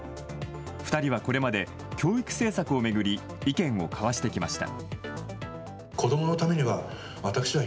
２人はこれまで教育政策を巡り意見を交わしてきました。